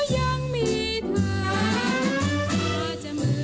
เพราะไม่มีสายตาวาดละมา